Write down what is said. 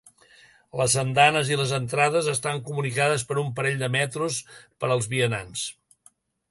Les andanes i les entrades estan comunicades per un parell de metros per als vianants.